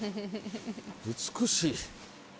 美しい。